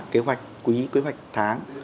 kế hoạch quý kế hoạch tháng